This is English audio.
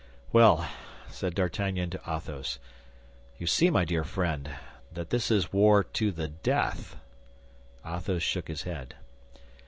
"Well," said D'Artagnan to Athos, "you see, my dear friend, that this is war to the death." Athos shook his head.